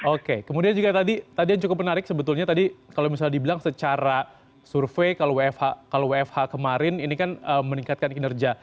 oke kemudian juga tadi yang cukup menarik sebetulnya tadi kalau misalnya dibilang secara survei kalau wfh kemarin ini kan meningkatkan kinerja